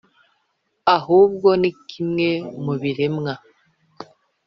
ahubwo, ni kimwe mu biremwa